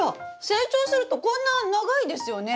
成長するとこんな長いですよね！